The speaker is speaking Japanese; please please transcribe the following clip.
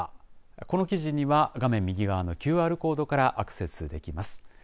この記事には画面右側のＱＲコードからアクセスできます。